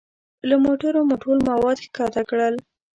له موټرو مو ټول مواد ښکته کړل.